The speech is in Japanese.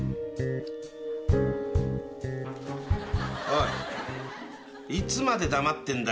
おい。